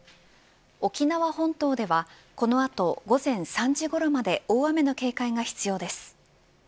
沖縄本島ではこの後午前３時ごろまで大雨の警戒が必要です。